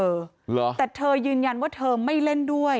เหรอแต่เธอยืนยันว่าเธอไม่เล่นด้วย